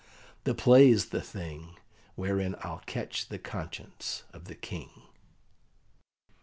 "The play's the thing wherein I'll catch the conscience of the King."